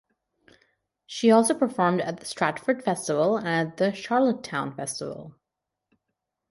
She also performed at the Stratford Festival and at the Charlottetown Festival.